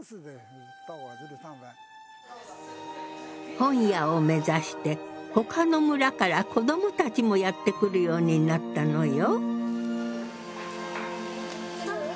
本屋を目指してほかの村から子どもたちもやって来るようになったのよ。